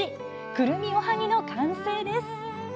くるみおはぎの完成です